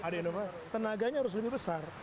ada inovasi tenaganya harus lebih besar